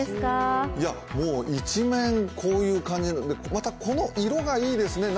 一面こういう感じで、またこの色がいいですね。